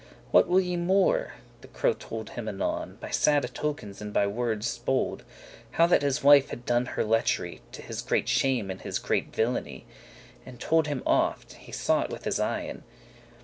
What will ye more? the crow anon him told, By sade* tokens, and by wordes bold, *grave, trustworthy How that his wife had done her lechery, To his great shame and his great villainy; And told him oft, he saw it with his eyen.